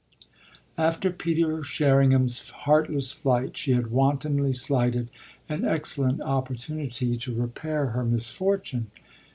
After Peter Sherringham's heartless flight she had wantonly slighted an excellent opportunity to repair her misfortune.